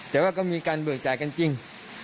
แต่ว่าก็มีการเบิกจ่ายกันจริง